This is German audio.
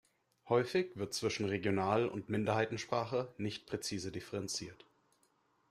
Häufig wird zwischen Regional- und Minderheitensprachen nicht präzise differenziert.